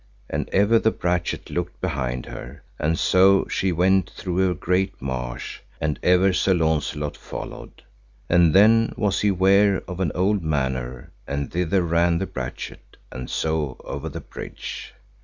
And ever the brachet looked behind her, and so she went through a great marsh, and ever Sir Launcelot followed. And then was he ware of an old manor, and thither ran the brachet, and so over the bridge.